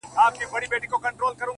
هغه قبرو ته ورځم;